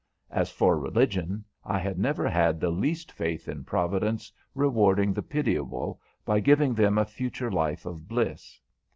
As for religion, I had never had the least faith in Providence rewarding the pitiable by giving them a future life of bliss.